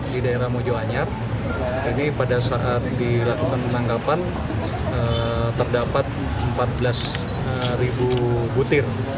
di daerah mojokerto pada saat dilakukan penangkapan terdapat empat belas butir